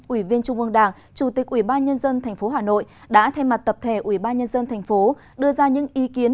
ủy viên trung ương đảng chủ tịch ubnd tp hà nội đã thay mặt tập thể ubnd tp đưa ra những ý kiến